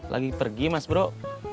lagi pergi mas bro